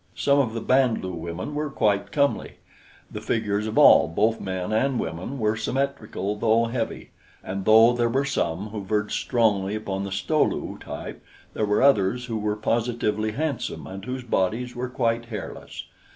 Some of the Band lu women were quite comely. The figures of all, both men and women, were symmetrical though heavy, and though there were some who verged strongly upon the Sto lu type, there were others who were positively handsome and whose bodies were quite hairless.